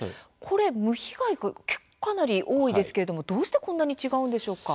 無被害が結構、多いですがどうしてこんなに違うのでしょうか。